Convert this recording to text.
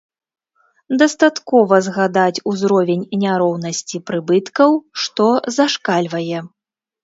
Дастаткова згадаць узровень няроўнасці прыбыткаў, што зашкальвае.